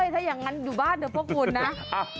ถ้าอย่างนั้นอยู่บ้านเดี๋ยวพวกคุณนะ